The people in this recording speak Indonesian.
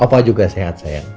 opa juga sehat sayang